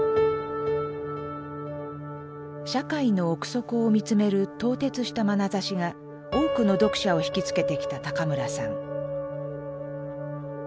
社会の奥底を見つめる透徹したまなざしが多くの読者を引き付けてきた村さん。